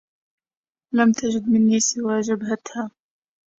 لم تجد مني سوى جبهتها